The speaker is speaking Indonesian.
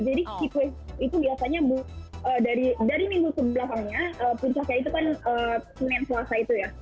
jadi keep wave itu biasanya dari minggu kebelakangnya puncahnya itu kan senin suasa itu ya